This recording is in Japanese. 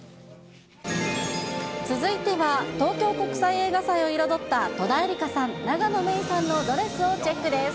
続いては、東京国際映画祭を彩った戸田恵梨香さん、永野芽郁さんのドレスをチェックです。